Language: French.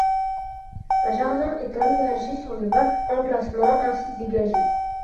Un jardin est aménagé sur le vaste emplacement ainsi dégagé.